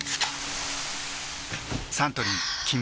サントリー「金麦」